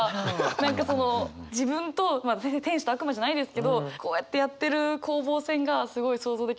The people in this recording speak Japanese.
何かその自分と天使と悪魔じゃないですけどこうやってやってる攻防戦がすごい想像できて。